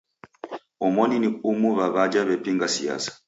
Omoni ni umu wa w'aja w'epinga siasa.